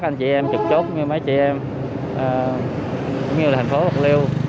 các anh chị em chụp chốt như mấy chị em cũng như là thành phố bạc liêu